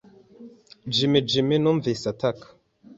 “Jim, Jim!” Numvise ataka.